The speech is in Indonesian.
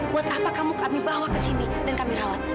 buat apa kamu kami bawa ke sini dan kami rawat